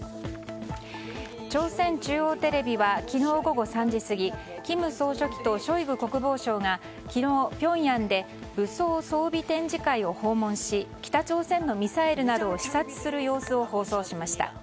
朝鮮中央テレビは昨日午後３時過ぎ金総書記とショイグ国防相が昨日、ピョンヤンで武装装備展示会を訪問し、北朝鮮のミサイルなどを視察する様子を放送しました。